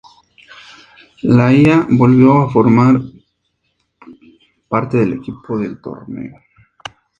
Laia volvió a formar parte del equipo del torneo.